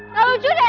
gak lucu deh